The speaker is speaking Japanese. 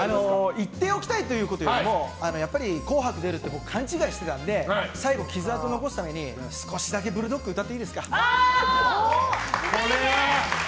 言っておきたいというよりもやっぱり「紅白」に出るって勘違いしてたので最後、爪痕残すために少しだけ「ブルドッグ」歌っていいですか？